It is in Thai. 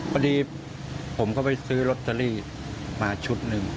พอดีผมก็ไปซื้อลอตเตอรี่มาชุดหนึ่ง